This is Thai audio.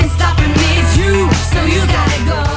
สวัสดีครับ